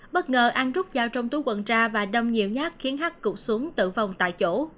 bất ngờ an rút dao trong túi quần ra và đâm nhiều nhát khiến hắt cục xuống tử vong tại chỗ